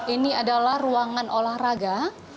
ini adalah ruangan olahraga